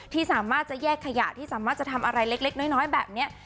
ที่สามารถจะแยกขยะที่สามารถจะทำอะไรเล็กน้อยแบบนี้